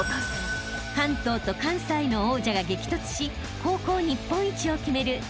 ［関東と関西の王者が激突し高校日本一を決める